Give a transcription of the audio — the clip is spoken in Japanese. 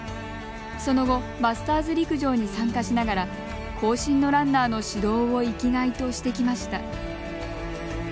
その後、マスターズ陸上に参加しながら後進のランナーの指導を生きがいとしてきました。